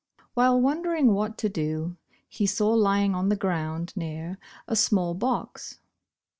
While wondering what to do, he saw lying on the ground near, a small box.